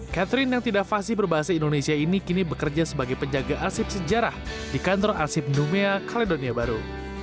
catherine yang tidak fasi berbahasa indonesia ini kini bekerja sebagai penjaga arsip sejarah di kantor arsip numea kalidonia baru